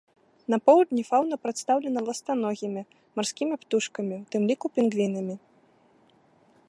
На поўдні фаўна прадстаўлена ластаногімі, марскімі птушкамі, у тым ліку пінгвінамі.